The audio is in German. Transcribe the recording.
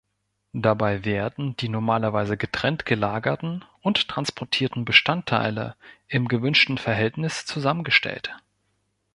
Dabei werden die normalerweise getrennt gelagerten und transportierten Bestandteile im gewünschten Verhältnis zusammengestellt.